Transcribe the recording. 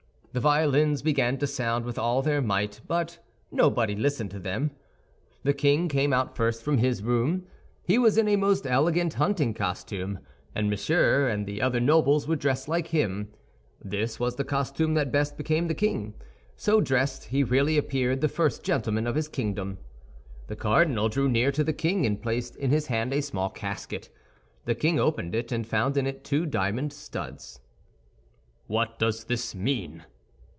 The violins began to sound with all their might, but nobody listened to them. The king came out first from his room. He was in a most elegant hunting costume; and Monsieur and the other nobles were dressed like him. This was the costume that best became the king. So dressed, he really appeared the first gentleman of his kingdom. The cardinal drew near to the king, and placed in his hand a small casket. The king opened it, and found in it two diamond studs. "What does this mean?"